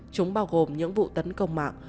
chúng bao gồm những vụ tấn công